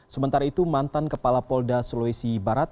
sementara itu mantan kepala polda sulawesi barat